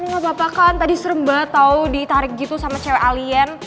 gak apa apa kan tadi seremba tau ditarik gitu sama cewek alien